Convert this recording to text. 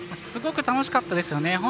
すごく楽しかったですね。